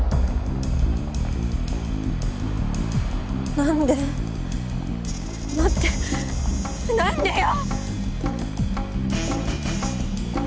なんで待ってなんでよ！？